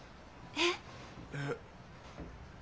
えっ？